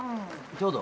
ちょうど。